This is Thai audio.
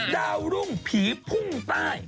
ดาวรุ่งผีพุ่งใต้